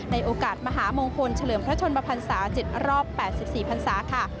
ในโอกาสมหามงคลเฉลิมพระชนมพันศา๗รอบ๘๔พันศาค่ะ